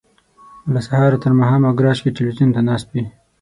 له سهاره تر ماښامه ګراج کې ټلویزیون ته ناست وي.